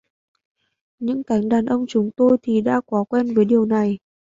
Nhưng cánh đàn ông chúng tôi thì đã quá quen với điều này